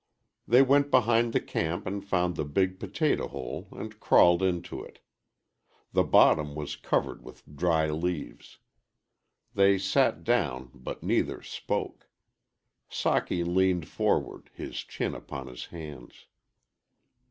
They went behind the camp and found the big potato hole and crawled into it. The bottom was covered with dry leaves. They sat down, but neither spoke. Socky leaned forward, his chin upon his hands.